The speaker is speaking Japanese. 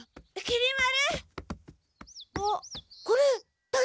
・きり丸！